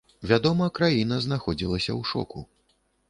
Вядома, краіна знаходзілася ў шоку.